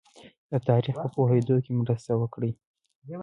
د تاریخ په پوهېدو کې مرسته وکړي.